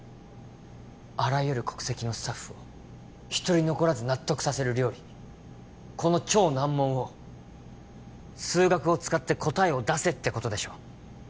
あらゆる国籍のスタッフを一人残らず納得させる料理この超難問を数学を使って答えを出せってことでしょ？